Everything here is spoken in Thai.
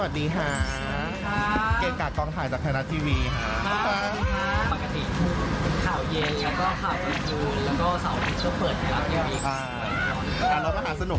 โอ้โหเป็นรายการที่ได้ทำสาราคบทรง